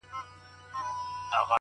• د غلا تعویذ -